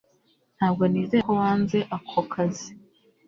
Ntabwo nizera ko wanze ako kazi.